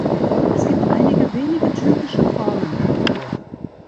Es gibt einige wenige typische Formen dafür.